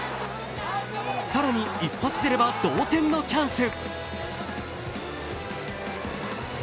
更に、一発出れば同点のチャンス。